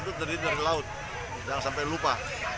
itu terdiri dari laut jangan sampai lupa